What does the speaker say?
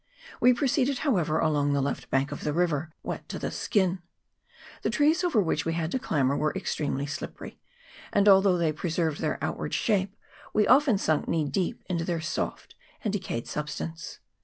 We proceeded, however, along the left bank of the river, wet to the skin. The trees over which we had to clamber were extremely slippery, and, although they preserved their outward shape, we often sunk knee deep into their soft and decayed substance.